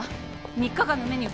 ３日間のメニュー